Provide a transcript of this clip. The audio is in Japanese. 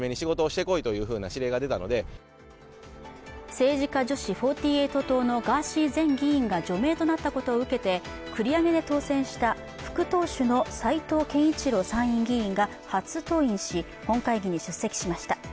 政治家女子４８党のガーシー前議員が除名となったことを受けて繰り上げで当選した副党首の斉藤健一郎参院議員が初登院し、本会議に出席しました。